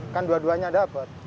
kan dua duanya dapet